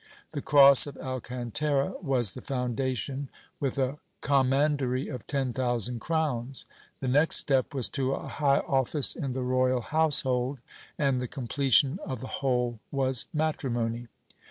The cross of Alcantara was the foundation, with a commandery of ten thousand crowns. The next step was to a high office in the royal household, and the completion of the whole was matrimony.